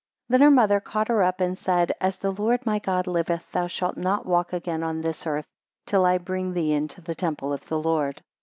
2 Then her mother caught her up, and said, As the Lord my God liveth, thou shalt not walk again on this earth, till I bring thee into the temple of the Lord.